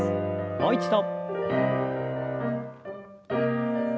もう一度。